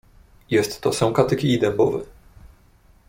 "Jest to sękaty kij dębowy."